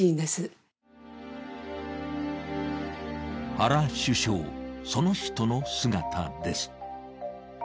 原首相、その人の姿です。